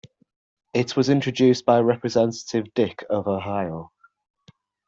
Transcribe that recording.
It was introduced by Representative Dick of Ohio.